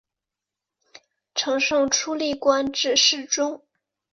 承圣初历官至侍中。